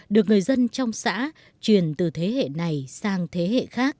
được người dân trong xã truyền từ thế hệ này sang thế hệ khác